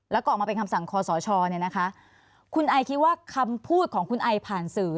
แล้วก็ออกมาเป็นคำสั่งคอสชเนี่ยนะคะคุณไอคิดว่าคำพูดของคุณไอผ่านสื่อ